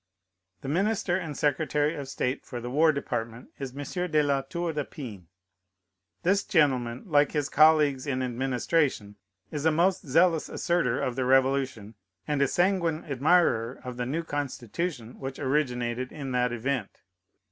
The minister and secretary of state for the War Department is M. de La Tour du Pin. This gentleman, like his colleagues in administration, is a most zealous assertor of the Revolution, and a sanguine admirer of the new Constitution which originated in that event.